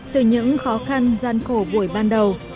từ những khó khăn gian khổ buổi ban đầu